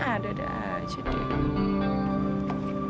ada ada aja deh